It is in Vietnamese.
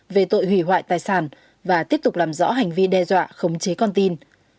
về tội hủy hoại tài sản và tiếp tục làm rõ hành vi đe dọa khống chế con tin